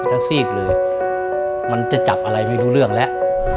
ซีกเลยมันจะจับอะไรไม่รู้เรื่องแล้ว